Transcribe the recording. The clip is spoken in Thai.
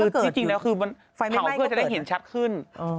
ที่จริงก็คือปล่าวให้เห็นชัดขึ้น